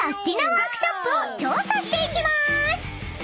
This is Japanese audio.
ワークショップを調査していきまーす！］